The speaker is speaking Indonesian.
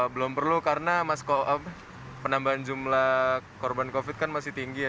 belum perlu karena mas penambahan jumlah korban covid sembilan belas kan masih tinggi ya